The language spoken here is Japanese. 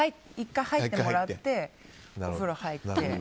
１回入ってきてお風呂、入って。